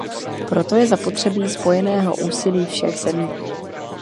Proto je zapotřebí spojeného úsilí všech zemí.